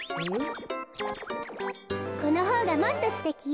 このほうがもっとすてきよ。